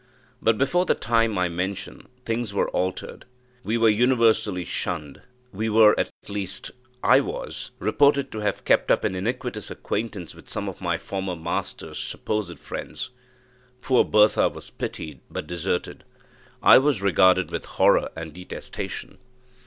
But before the time I mention, things were altered we were universally shunned; we were at least, I was reported to have kept up an iniquitous acquaintance with some of my former master's supposed friends. Poor Bertha was pitied, but deserted. I was regarded with horror and detestation.